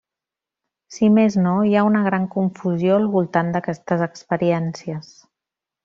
Si més no, hi ha una gran confusió al voltant d'aquestes experiències.